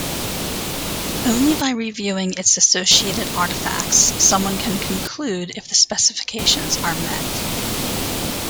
Only by reviewing its associated artifacts, someone can conclude if the specifications are met.